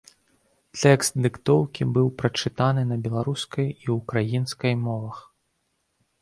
Тэкст дыктоўкі быў прачытаны на беларускай і ўкраінскай мовах.